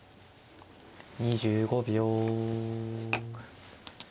２５秒。